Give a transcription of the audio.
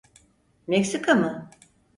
Meksika mı?